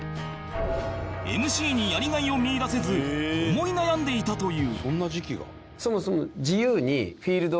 ＭＣ にやりがいを見いだせず思い悩んでいたという